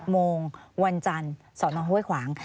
โมงวันจันทร์สนห้วยขวาง